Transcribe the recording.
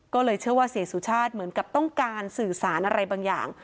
ก็เลยเชื่อว่าเสียสุชาติเหมือนกับต้องการสื่อสารอะไรบางอย่าง